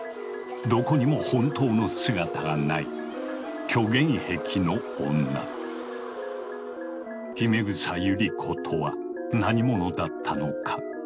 どこにも本当の姿がない姫草ユリ子とは何者だったのか。